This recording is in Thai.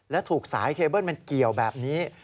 และถูกสายเคเบิ้ลมันเกี่ยวแบบนี้